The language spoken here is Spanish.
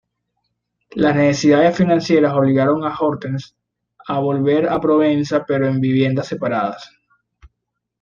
Las necesidades financieras obligaron a Hortense a volver a Provenza pero en viviendas separadas.